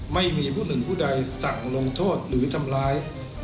ไม่มีผู้หนึ่งผู้ใดสั่งลงโทษหรือทำร้าย